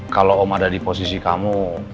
kalau om ada di posisi kamu